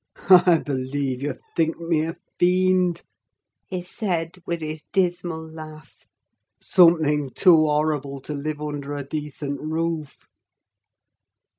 "I believe you think me a fiend," he said, with his dismal laugh: "something too horrible to live under a decent roof."